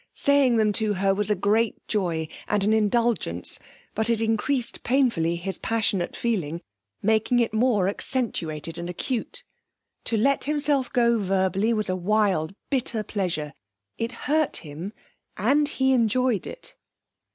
Saying them to her was a great joy, and an indulgence, but it increased painfully his passionate feeling, making it more accentuated and acute. To let himself go verbally was a wild, bitter pleasure. It hurt him, and he enjoyed it.